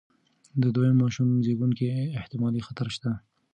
د دویم ماشوم زېږون کې احتمالي خطر شته.